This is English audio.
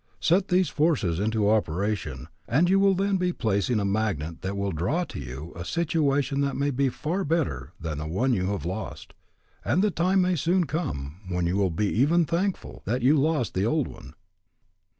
Set these forces into operation and you will then be placing a magnet that will draw to you a situation that may be far better than the one you have lost, and the time may soon come when you will be even thankful that you lost the old one.